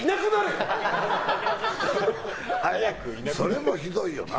それもひどいよな。